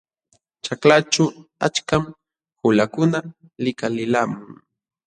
Ćhaklaćhu achkam qulakuna likalilqamun.